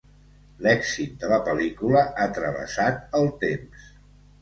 L'èxit de la pel·lícula ha travessat el temps.